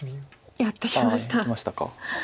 やってきましたか。